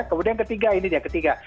kemudian yang ketiga ini dia yang ketiga